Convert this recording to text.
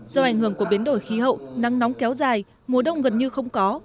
do ảnh hưởng của biến đổi khí hậu nắng nóng kéo dài mùa đông gần như không có